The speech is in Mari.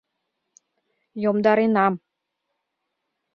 — Йомдаренам.